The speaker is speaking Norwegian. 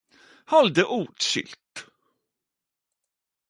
Hald det åtskilt.